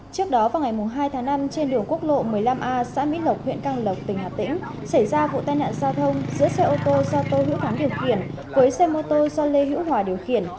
trước đó vào ngày hai tháng năm trên đường quốc lộ một mươi năm a xã mỹ lộc huyện căng lộc tỉnh hà tĩnh xảy ra vụ tai nạn giao thông giữa xe ô tô do tô hữu thắng điều khiển với xe mô tô do lê hữu hòa điều khiển